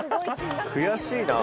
悔しいな。